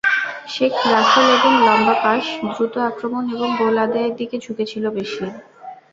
শেখ রাসেল এদিন লম্বা পাস, দ্রুত আক্রমণ এবং গোল আদায়ের দিকে ঝুঁকেছিল বেশি।